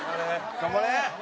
頑張れ。